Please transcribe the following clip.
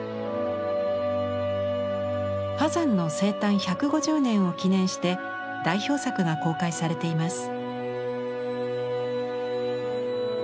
波山の生誕１５０年を記念して代表作が公開されています。